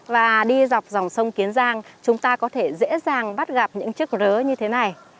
và đi dọc dòng sông kiến giang chúng ta có thể dễ dàng bắt gặp những chiếc rớ như thế này